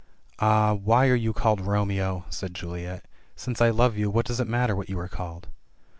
"Ah — why are you called Romeo?" said Juliet. "Since I love you, what does it matter what you are called